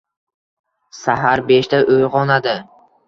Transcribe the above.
Sahar beshda uyg`onadi